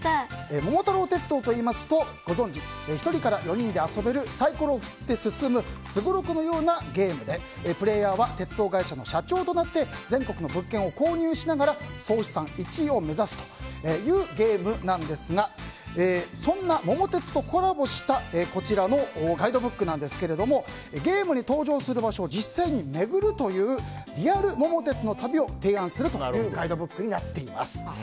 「桃太郎電鉄」といいますとご存じ、１人から４人で遊べるサイコロを振って進むすごろくのようなゲームでプレーヤーは鉄道会社の社長となって全国の物件を購入しながら総資産１位を目指すというゲームなんですがそんな「桃鉄」とコラボしたこちらのガイドブックですがゲームに登場する場所を実際に巡るというリアル桃鉄の旅を提案するというガイドブックになっています。